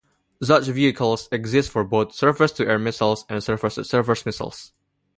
Such vehicles exist for both surface-to-air missiles and surface-to-surface missiles.